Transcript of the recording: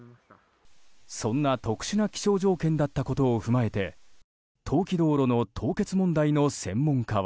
そんな特殊な気象条件だったことを踏まえて冬季道路の凍結問題の専門家は。